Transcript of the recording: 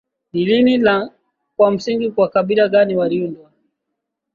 ni lini na kwa msingi wa kabila gani waliundwa